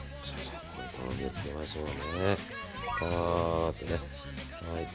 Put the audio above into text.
とろみつけましょうね。